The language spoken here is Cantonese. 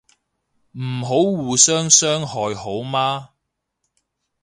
唔好互相傷害好嗎